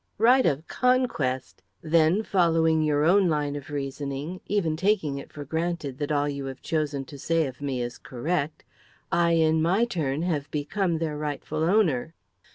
"Right of conquest! Then, following your own line of reasoning, even taking it for granted that all you have chosen to say of me is correct, I in my turn have become their rightful owner."